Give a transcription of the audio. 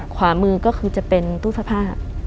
ขวามือก็คือจะเป็นตู้เสื้อผ้า